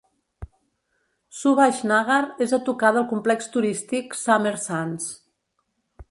Subhash Nagar és a tocar del complex turístic Summer Sands.